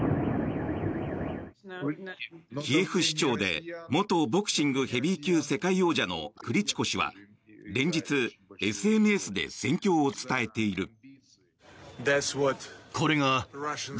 キエフ市長で元ボクシングヘビー級世界王者のクリチコ氏は連日、ＳＮＳで戦況を伝えている。